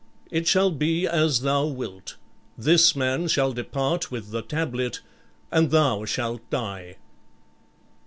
It shall be as thou wilt. This man shall depart with the tablet and thou shalt die."